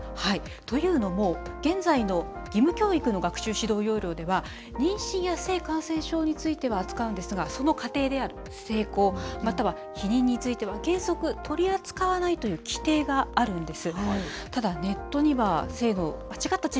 というのも、現在の義務教育の学習指導要領では、妊娠や性感染症については扱うんですが、そのかていである性交、または避妊については原則、取り扱わないという規定があるんです。